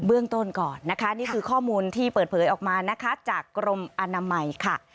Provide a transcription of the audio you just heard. เบื้องต้นก่อนนี่คือข้อมูลที่เปิดเผยออกมาจากกรมอนามัย